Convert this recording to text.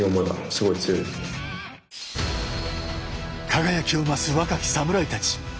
輝きを増す若きサムライたち。